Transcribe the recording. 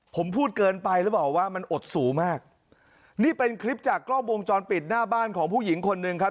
ผมพูดเกินไปแล้วบอกว่ามันอดสูงมากนี่เป็นคลิปจากกล้องวงจรปิดหน้าบ้านของผู้หญิงคนหนึ่งครับ